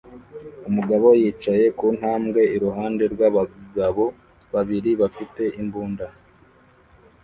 Umugabo yicaye ku ntambwe iruhande rw'abagabo babiri bafite imbunda